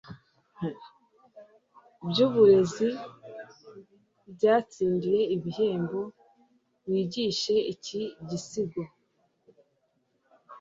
byuburezi byatsindiye ibihembo wigishe iki gisigo